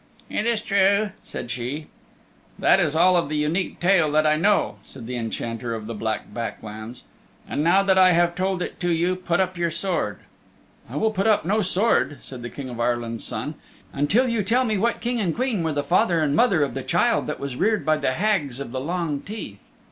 "It is true," said she. "That is all of the Unique Tale that I know," said the Enchanter of the Black Back Lands, "and now that I have told it to you, put up your sword." "I will put up no sword," said the King of Ireland's Son, "until you tell me what King and Queen were the father and mother of the child that was reared by the Hags of the Long Teeth."